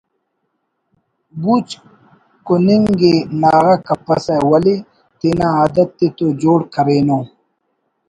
بوچ کننگ ءِ ناغہ کپسہ ولے تینا عادت ءِ تو جوڑ کرینو